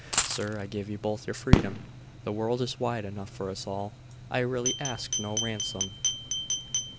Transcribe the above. Sir, I give you both your freedom. The world is wide enough for us all. I really ask no ransom.